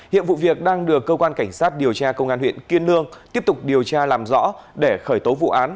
hiện vụ việc đang được cơ quan cảnh sát điều tra công an huyện kiên lương tiếp tục điều tra làm rõ để khởi tố vụ án